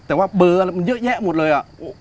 แต่ว่าเบาะเยอะแย่หมดเลย